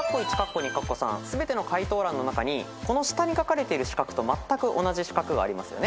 全ての解答欄の中にこの下に書かれている四角とまったく同じ四角がありますよね。